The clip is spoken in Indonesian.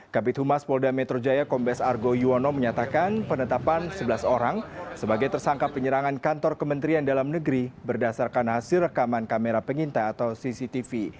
kabit humas polda metro jaya kombes argo yuwono menyatakan penetapan sebelas orang sebagai tersangka penyerangan kantor kementerian dalam negeri berdasarkan hasil rekaman kamera pengintai atau cctv